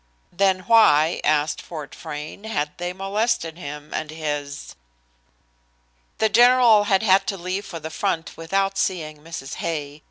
Then why, asked Fort Frayne, had they molested him and his? The general had had to leave for the front without seeing Mrs. Hay.